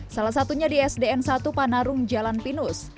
salah satunya di sdn satu panarung jalan pinus